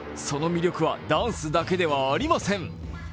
その魅力はダンスだけではありません。